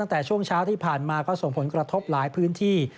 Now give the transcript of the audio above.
ตั้งแต่ช่วงเช้าที่ผ่านมาก็ส่งผลกระทบหลายพื้นที่